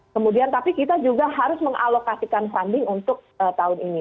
kemudian tapi kita juga harus mengalokasikan funding untuk tahun ini